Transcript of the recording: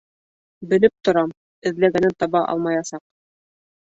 Белеп торам, эҙләгәнен таба алмаясаҡ.